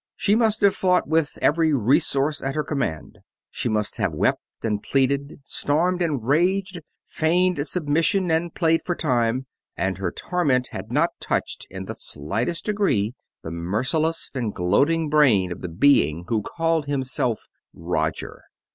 She must have fought with every resource at her command. She must have wept and pleaded, stormed and raged, feigned submission and played for time and her torment had not touched in the slightest degree the merciless and gloating brain of the being who called himself Roger.